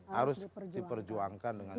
harus diperjuangkan dengan jelas